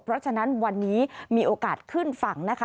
เพราะฉะนั้นวันนี้มีโอกาสขึ้นฝั่งนะคะ